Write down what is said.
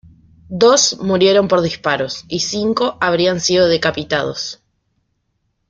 Dos murieron por disparos y cinco habrían sido decapitados.